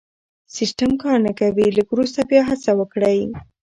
سيسټم کار نه کوي لږ وروسته بیا هڅه وکړئ